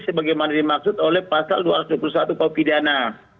sebagaimana dimaksud oleh pasal dua ratus dua puluh satu kau pidana